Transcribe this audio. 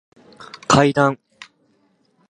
階段